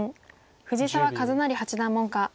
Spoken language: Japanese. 藤澤一就八段門下。